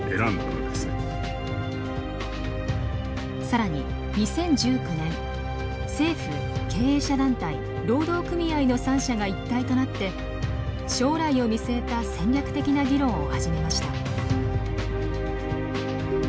更に２０１９年政府経営者団体労働組合の三者が一体となって将来を見据えた戦略的な議論を始めました。